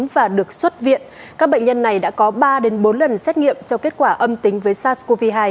và được xuất viện các bệnh nhân này đã có ba bốn lần xét nghiệm cho kết quả âm tính với sars cov hai